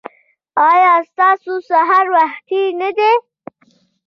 ایا ستاسو سهار وختي نه دی؟